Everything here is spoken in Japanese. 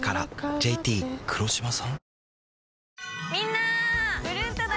ＪＴ黒島さん？